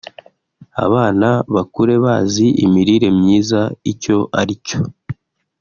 abana bakure bazi imirire myiza icyo ari cyo